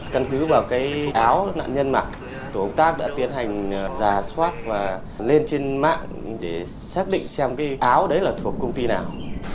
các nạn nhân mặc tổ tác đã tiến hành giả soát và lên trên mạng để xác định xem cái áo đấy là thuộc công ty nào